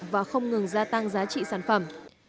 và không ngừng gia tăng giá trị sản phẩm